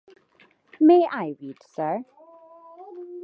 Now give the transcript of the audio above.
May I read, sir?